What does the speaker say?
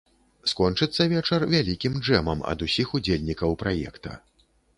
Скончыцца вечар вялікім джэмам ад усіх удзельнікаў праекта.